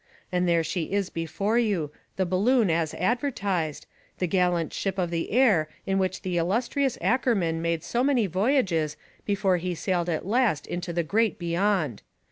And there she is before you, the balloon as advertised, the gallant ship of the air in which the illustrious Ackerman made so many voyages before he sailed at last into the Great Beyond!